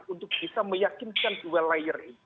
untuk bisa meyakinkan dua layer ini